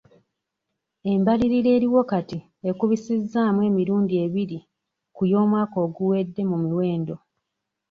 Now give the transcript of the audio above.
Embalirira eriwo kati ekubisizzaamu emirundi ebiri ku y'omwaka oguwedde mu miwendo.